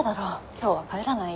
今日は帰らないよ。